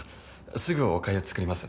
すぐおかゆ作ります。